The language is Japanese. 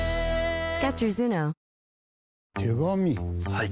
はい。